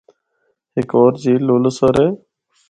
ہک ہور جھیل ’لولوسر‘ اے۔